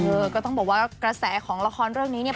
เออก็ต้องบอกว่ากระแสของละครเรื่องนี้เนี่ย